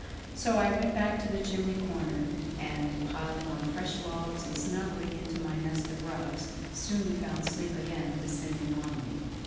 So I went back to the chimney corner, and, piling on fresh logs and snuggling into my nest of rugs, soon found sleep again descending on me.